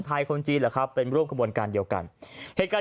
ไทยคนจีนหรือครับเป็นร่วมกระบวนการเดียวกันเหตุการ